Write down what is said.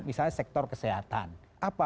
misalnya sektor kesehatan apa